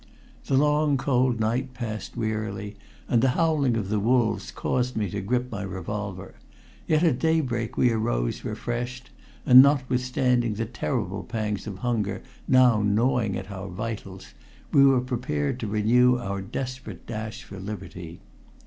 The long cold night passed wearily, and the howling of the wolves caused me to grip my revolver, yet at daybreak we arose refreshed, and notwithstanding the terrible pangs of hunger now gnawing at our vitals, we were prepared to renew our desperate dash for liberty.